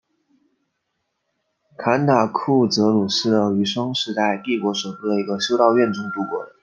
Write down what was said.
坎塔库泽努斯的余生是在帝国首都的一个修道院中度过的。